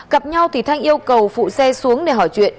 gặp nhau thì thanh yêu cầu phụ xe xuống để hỏi chuyện